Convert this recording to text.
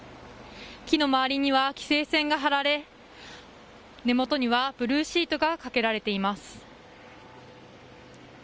木の周りには規制線が張られ根元にはブルーシートがかけられています。